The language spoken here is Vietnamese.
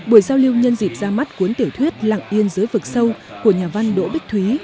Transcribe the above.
buổi giao lưu nhân dịp ra mắt cuốn tiểu thuyết lặng yên dưới vực sâu của nhà văn đỗ bích thúy